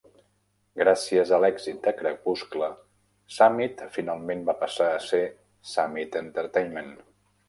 Gràcies a l'èxit de "Crepuscle", Summit finalment va passar a ser Summit Entertainment.